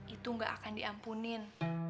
itu gak akan diampunin